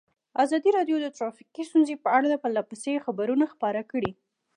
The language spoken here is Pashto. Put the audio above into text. ازادي راډیو د ټرافیکي ستونزې په اړه پرله پسې خبرونه خپاره کړي.